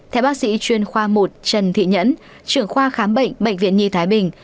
theo bác sĩ chuyên khoa một trần thị nhẫn trưởng khoa khám bệnh bệnh viện nhi thái bình